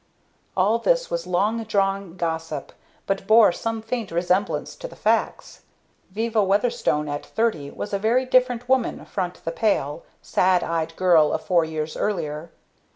All this was long drawn gossip but bore some faint resemblance to the facts. Viva Weatherstone at thirty was a very different woman front the pale, sad eyed girl of four years earlier.